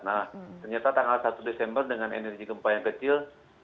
nah ternyata tanggal satu desember dengan energi gempa yang kecil